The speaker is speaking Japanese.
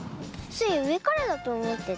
スイうえからだとおもってた。